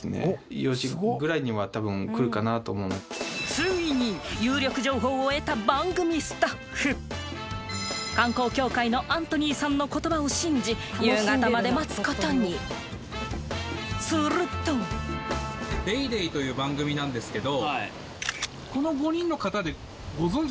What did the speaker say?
ついに観光協会のアントニーさんの言葉を信じ夕方まで待つことにすると『ＤａｙＤａｙ．』という番組なんですけど。